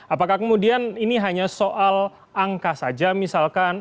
apakah kemudian ini hanya soal angka saja misalkan